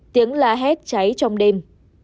tiếng lá hét cháy trong đêm